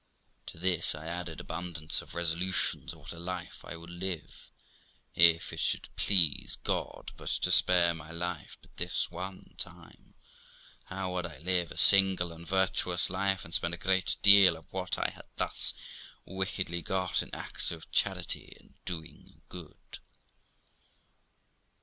To this I added abundance of resolutions of what a life I would live, if it should please God but to spare my life but this one time; how I would live a single and a virtuous life, and spend a great deal of what I had thus wickedly got in acts of charity and doing good.